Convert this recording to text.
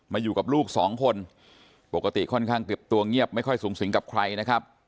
อยู่กับลูกสองคนปกติค่อนข้างเก็บตัวเงียบไม่ค่อยสูงสิงกับใครนะครับ